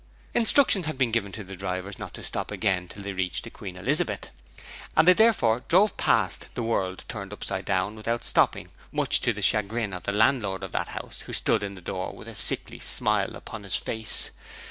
Instructions had been given to the drivers not to stop again till they reached the Queen Elizabeth, and they therefore drove past the World Turned Upside Down without stopping, much to the chagrin of the landlord of that house, who stood at the door with a sickly smile upon his face.